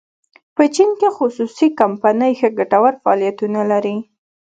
په چین کې خصوصي کمپنۍ ښه ګټور فعالیتونه لري.